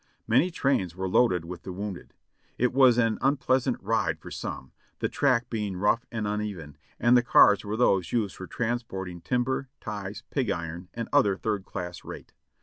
Many trains were loaded with the wounded. It was an unpleasant ride for some, the track being rough and uneven, and the cars were those used for transporting timber, ties, pig iron and other third class rate.